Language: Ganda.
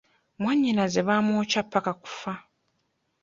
Mwanyinaze baamwokya paka kufa.